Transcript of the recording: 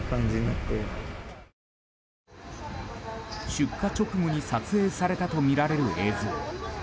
出火直後に撮影されたとみられる映像。